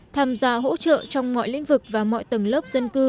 tham gia hỗ trợ trong mọi lĩnh vực và mọi tầng lớp dân cư